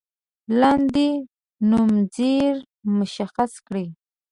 لاندې نومځري مشخص کړئ.